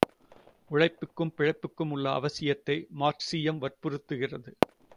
உழைப்புக்கும் பிழைப்புக்கும் உள்ள அவசியத்தை மார்க்சியம் வற்புறுத்துகிறது.